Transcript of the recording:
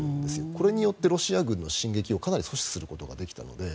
これによってロシア軍の進撃をかなり阻止することができたので。